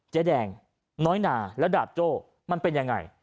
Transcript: เจ๊แดงน้อยนาแล้วดาบโจ้มันเป็นยังไง